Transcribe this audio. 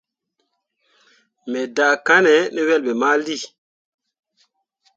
Me daakanne ne yelbe mali.